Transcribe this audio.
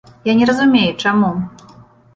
Я не разумею, чаму.